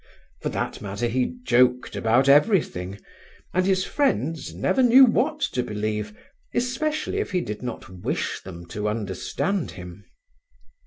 For that matter he joked about everything, and his friends never knew what to believe, especially if he did not wish them to understand him.